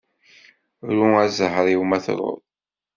Ru a zzheṛ-iw ma truḍ.